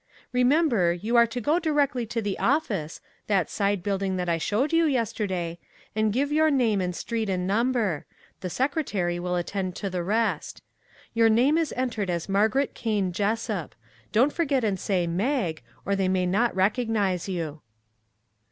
Remember, you are to go di rectly to the office, that side building that I showed you yesterday, and give your name and street and number; the secretary will attend to the rest. Your name is entered as Margaret Kane Jessup ; don't forget and say ' Mag ' or they may not recognize you."